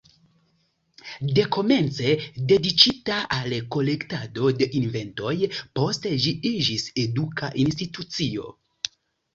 Dekomence dediĉita al kolektado de inventoj, poste ĝi iĝis eduka institucio.